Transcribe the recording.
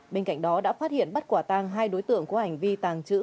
bên cạnh đó đã phát hiện bắt quả tăng hai đối tượng của hành vi tàng trữ